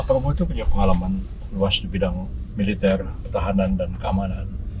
pak prabowo itu punya pengalaman luas di bidang militer pertahanan dan keamanan